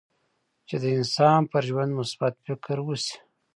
چې د انسان پر ژوند مثبت فکر وشي.